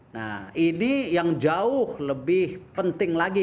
nah ini yang jauh lebih penting lagi